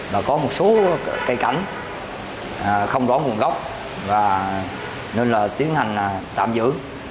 và có một số cây cảnh không rõ nguồn gốc nên là tiến hành tạm giữ